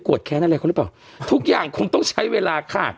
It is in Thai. แค้นอะไรเขาหรือเปล่าทุกอย่างคงต้องใช้เวลาค่ะ